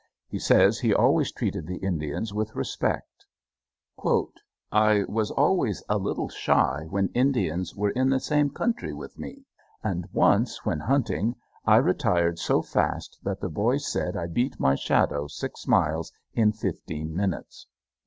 He says he always treated the Indians with respect. "I was always a little shy when Indians were in the same country with me, and once when hunting I retired so fast that the boys said I beat my shadow six miles in fifteen minutes."